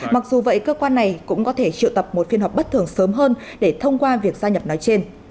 mặc dù vậy cơ quan này cũng có thể triệu tập một phiên họp bất thường sớm hơn để thông qua việc gia nhập nói trên